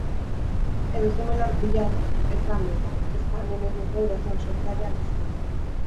Edozein belar pila ez da meta, ezta han-hemendiko idazlan sorta ere aldizkaria.